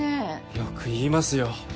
よく言いますよ。